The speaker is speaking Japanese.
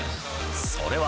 それは。